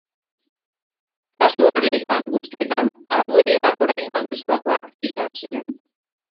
Kasu horietan guztietan, argudioak oraingoak bezalakoak izan ziren.